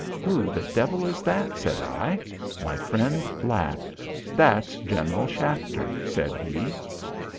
"Who the devil is that?" said I. My friend laughed. "That's General Shafter," said he.